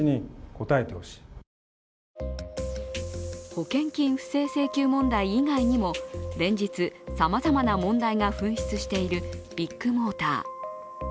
保険金不正請求問題以外にも連日、さまざまな問題が噴出しているビッグモーター。